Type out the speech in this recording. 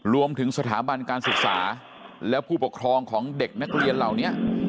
รวมถึงสถาบันการศึกษาแล้วผู้ปกครองของเด็กนักเรียนเหล่านี้